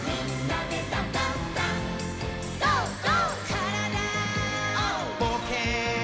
「からだぼうけん」